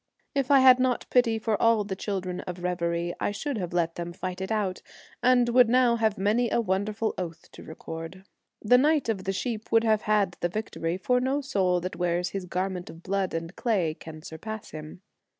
If I had not pity for all the children of reverie I should have let them fight it out, and would now have many a wonderful oath to record. The knight of the sheep would have had the victory, for no soul that wears this garment of blood and clay can sur pass him.